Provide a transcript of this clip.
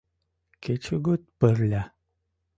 Кечыгут пырля.